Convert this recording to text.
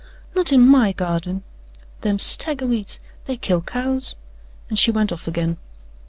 "Not in MY garden. Them's stagger weeds they kill cows," and she went off again.